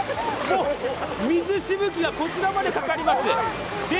水しぶきがこちらまでかかります。